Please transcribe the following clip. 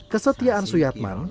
kesetiaan suyat mang